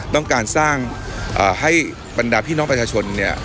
ต้องการสร้างให้บรรดาพี่น้องประชาชนเนี่ย